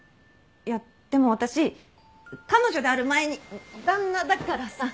いやでも私彼女である前に旦那だからさ。